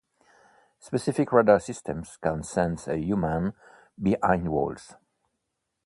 Specific radar systems can sense a human behind walls.